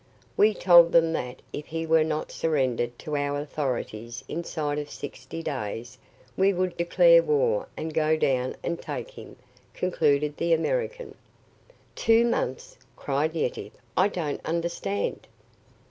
"We told them that if he were not surrendered to our authorities inside of sixty days we would declare war and go down and take him," concluded "The American." "Two months," cried Yetive. "I don't understand."